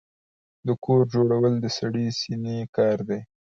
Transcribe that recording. د کور جوړول د سړې سينې کار دی.